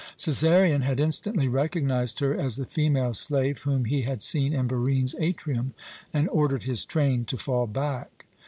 Cæsarion had instantly recognized her as the female slave whom he had seen in Barine's atrium, and ordered his train to fall back.